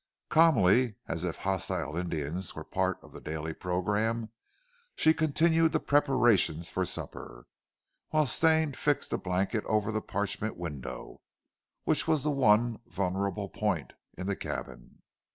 Calmly, as if hostile Indians were part of the daily program, she continued the preparations for supper, whilst Stane fixed a blanket over the parchment window, which was the one vulnerable point in the cabin.